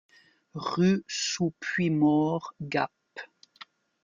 Rue sous Puymaure, Gap